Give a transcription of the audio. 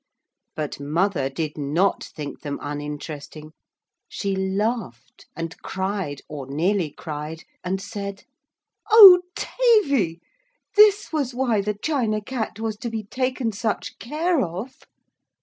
But mother did not think them uninteresting. She laughed, and cried, or nearly cried, and said: 'Oh, Tavy, this was why the China Cat was to be taken such care of!'